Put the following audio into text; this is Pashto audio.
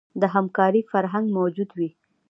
د همکارۍ فرهنګ موجود وي.